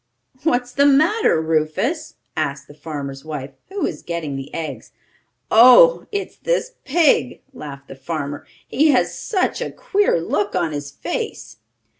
"What's the matter, Rufus?" asked the farmer's wife, who was gathering the eggs. "Oh, it's this pig," laughed the farmer. "He has such a queer look on his face!"